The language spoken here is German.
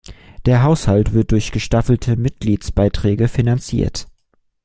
Der Haushalt wird durch gestaffelte Mitgliedsbeiträge finanziert.